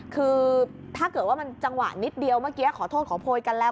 คือถ้าเกิดว่ามันจังหวะนิดเดียวเมื่อกี้ขอโทษขอโพยกันแล้ว